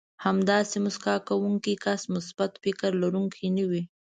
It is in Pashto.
همداسې مسکا کوونکی کس مثبت فکر لرونکی نه وي.